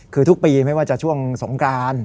คือทุกปีไม่ว่าจะช่วงสงกราน